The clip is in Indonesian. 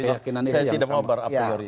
saya tidak mau berapriori